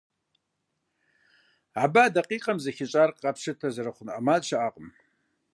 Абы а дакъикъэм зэхищӏар, къэппщытэ зэрыхъун ӏэмал щыӏэтэкъым.